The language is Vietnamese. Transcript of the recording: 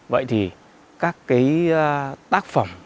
vậy thì các cái tác phẩm